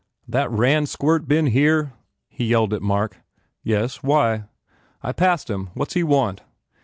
That Rand squirt been here?" he yelled at Mark. "Yes. Why?" "I passed him. What s he want?"